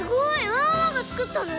ワンワンがつくったの？